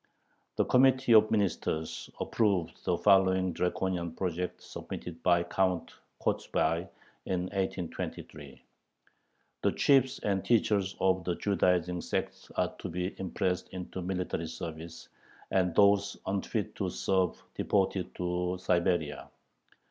The Committee of Ministers approved the following draconian project submitted by Count Kochubay in 1823: The chiefs and teachers of the Judaizing sects are to be impressed into military service, and those unfit to serve deported to Siberia.